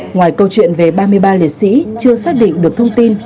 ngoài câu chuyện về ba mươi ba liệt sĩ chưa xác định được thông tin